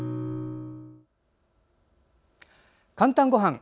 「かんたんごはん」。